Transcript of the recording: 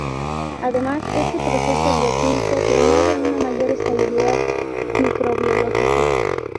Además este proceso bioquímico promueve una mayor estabilidad microbiológica.